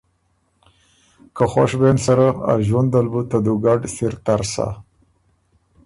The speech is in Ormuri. که خوش بېن سره، ا ݫوُندل بوُ ته دُوګډ سِر تر سۀ۔